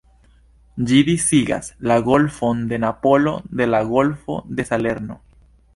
Ĝi disigas la Golfon de Napolo de la Golfo de Salerno.